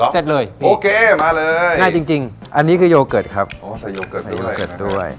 เสร็จเลยพี่ง่ายจริงอันนี้คือโยเกิร์ตครับใส่โยเกิร์ตด้วย